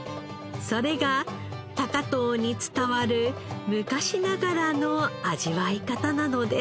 それが高遠に伝わる昔ながらの味わい方なのです。